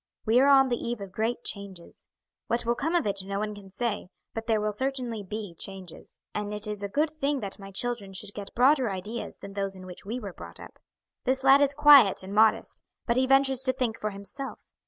"We are on the eve of great changes. What will come of it no one can say; but there will certainly be changes, and it is a good thing that my children should get broader ideas than those in which we were brought up. This lad is quiet and modest, but he ventures to think for himself.